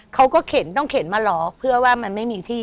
เขาก็เข็นต้องเข็นมารอเพื่อว่ามันไม่มีที่